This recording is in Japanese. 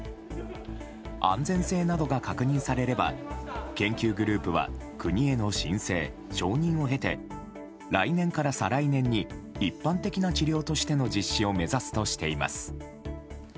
安全性などが確認されれば研究グループは国への申請・承認を経て来年から再来年に一般的な治療としての実施を目指すとしています。